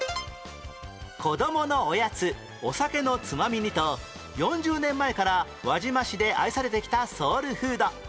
子供のおやつお酒のつまみにと４０年前から輪島市で愛されてきたソウルフード